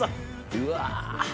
うわ！